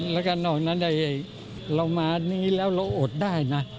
แล้วก็นอกนั้นเรามานี้แล้วเราอดได้นะ